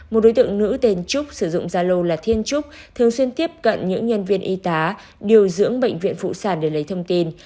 một đối tượng nữ tên trúc sử dụng gia lô là thiên trúc thường xuyên tiếp cận những nhân viên y tá điều dưỡng bệnh viện phụ sản để lấy thông tin